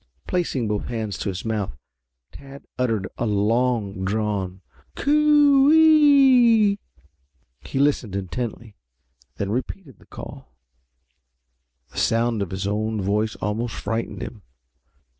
Placing both hands to his mouth Tad uttered a long drawn "C o o e e e!" He listened intently, then repeated the call. The sound of his own voice almost frightened him.